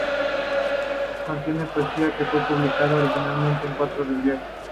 Contiene poesía que fue publicada originalmente en "Cuadros de viaje".